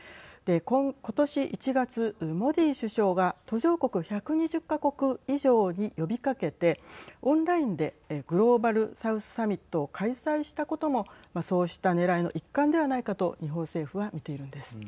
今年１月モディ首相が途上国１２０か国以上に呼びかけてオンラインでグローバル・サウスサミットを開催したこともそうしたねらいの一環ではないかと日本政府は見ているんです。